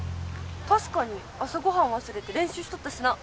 確かに朝ごはん忘れて練習しとったしな。